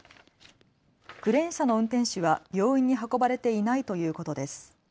クレーン車の運転手は病院に運ばれていないということです。